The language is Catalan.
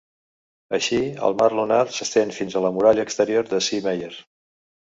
Així, el mar lunar s'estén fins a la muralla exterior de C. Mayer.